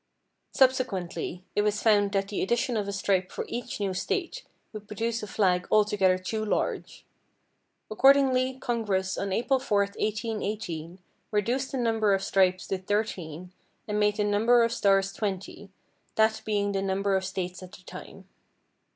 Subsequently, it was found that the addition of a stripe for each new State would produce a flag altogether too large. Accordingly, Congress, on April 4th, 1818, reduced the number of stripes to thirteen and made the number of stars twenty, that being the number of States at that time.